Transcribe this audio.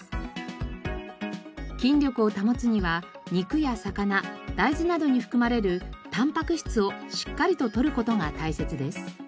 筋力を保つには肉や魚大豆などに含まれるタンパク質をしっかりととる事が大切です。